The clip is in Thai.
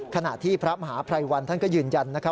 ขณะที่พระมหาภัยวันท่านก็ยืนยันนะครับ